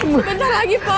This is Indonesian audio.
sebentar lagi pak